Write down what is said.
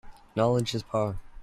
Knowledge is power.